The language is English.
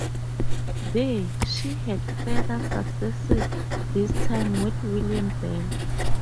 There she had further successes, this time with William Bell.